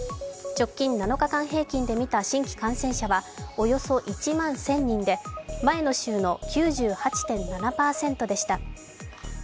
直近７日間平均で見た新規感染者はおよそ１万１０００人で、前の週の９８．７％でした。